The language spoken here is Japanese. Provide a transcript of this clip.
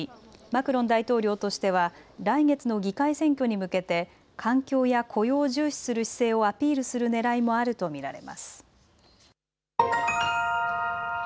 マクロン大統領としては来月の議会選挙に向けて環境や雇用を重視する姿勢をアピールするねらいもあると見られます。